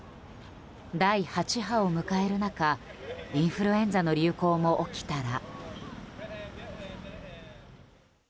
第８波を迎える中インフルエンザの流行も起きたら。